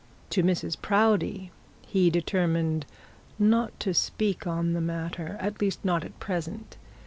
To Mrs Proudie he determined not to speak on the matter, at least not at present.